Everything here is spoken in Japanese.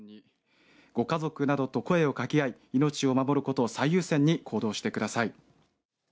ご家族などと声をかけ合い命を守ることを最優先に行動してください。